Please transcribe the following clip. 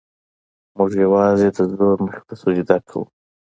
موږ یوازې د زور مخې ته سجده کوو.